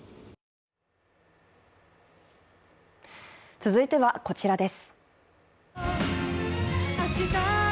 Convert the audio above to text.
続いては、こちらです。